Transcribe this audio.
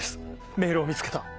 メールを見つけた。